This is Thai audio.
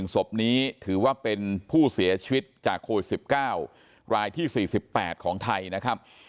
ศพนี้ถือว่าเป็นผู้เสียชีวิตจากโควิด๑๙รายที่๔๘ของไทยนะครับ